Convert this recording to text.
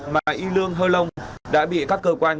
mà y lương hơ long đã bị các cơ quan